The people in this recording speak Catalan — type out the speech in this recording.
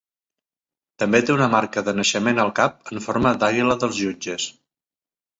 També té una marca de naixement al cap en forma d'àguila dels jutges.